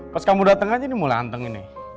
pas kamu dateng aja nih mulai hanteng ini